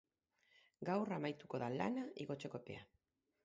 Gaur amaituko da lanak igotzeko epea.